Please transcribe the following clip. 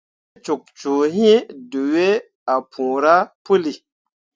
Ne cok cuu hĩĩ, dǝwe ah puura puli.